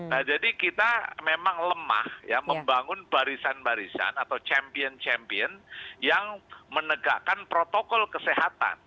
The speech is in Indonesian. nah jadi kita memang lemah ya membangun barisan barisan atau champion champion yang menegakkan protokol kesehatan